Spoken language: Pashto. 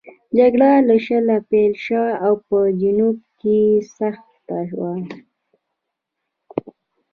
جګړه له شله پیل شوه او په جنوب کې سخته وه.